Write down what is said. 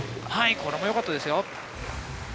これもよかったですよ。